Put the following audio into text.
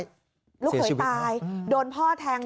ลูกเขยตายโดนพ่อแทง